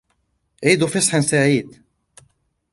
عيد فِصح سعيد!